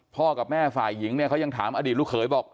กับแม่ฝ่ายหญิงเนี่ยเขายังถามอดีตลูกเขยบอก